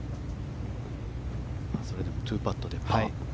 それでも２パットで。